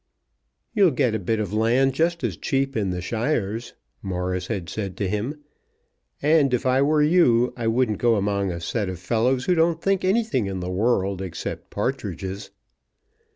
"You'll get a bit of land just as cheap in the shires," Morris had said to him. "And, if I were you, I wouldn't go among a set of fellows who don't think of anything in the world except partridges."